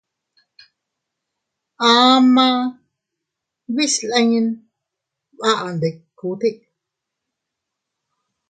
Amaa bislin baʼandikute.